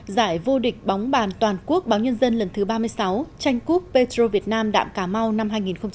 giải vô địch bóng bàn toàn quốc báo nhân dân lần thứ ba mươi sáu tranh cúp petro việt nam đạm cà mau năm hai nghìn một mươi chín